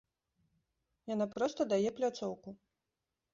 Яна проста дае пляцоўку.